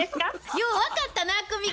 よう分かったな久美子。